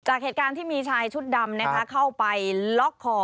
เหตุการณ์ที่มีชายชุดดำเข้าไปล็อกคอ